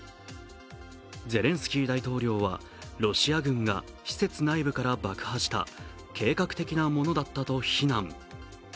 ゼレンスキー大統領は、ロシア軍が施設内部から爆破した、計画的なものだったと非難。